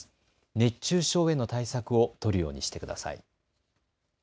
熱中症への対策を取るようにしてください。